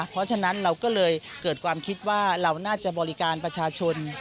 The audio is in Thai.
เพราะฉะนั้นเราก็เลยเกิดความคิดว่าเราน่าจะบริการประชาชน